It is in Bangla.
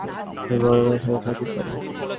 আমি বড় ভাইয়ের সাথে থাকি, স্যার।